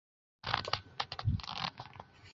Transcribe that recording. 扶桑町为爱知县北部的町。